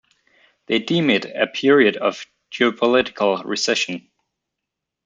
They deem it "a period of geopolitical recession".